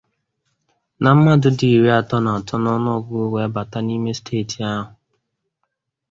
na mmadụ dị iri atọ na atọ n'ọnụọgụgụ wee bata n'ime steeti ahụ